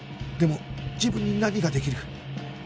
でも自分に何ができる？